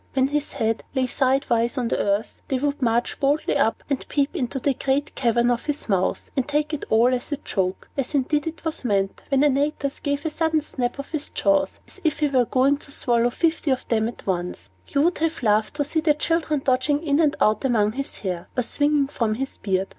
When his head lay sidewise on the earth, they would march boldly up, and peep into the great cavern of his mouth, and take it all as a joke (as indeed it was meant) when Antaeus gave a sudden snap of his jaws, as if he were going to swallow fifty of them at once. You would have laughed to see the children dodging in and out among his hair, or swinging from his beard.